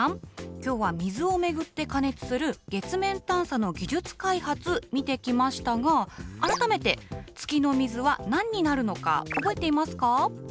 今日は水をめぐって過熱する月面探査の技術開発見てきましたが改めて月の水は何になるのか覚えていますか？